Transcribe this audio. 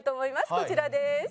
こちらです。